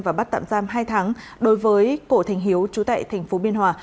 và bắt tạm giam hai tháng đối với cổ thành hiếu trú tại tp biên hòa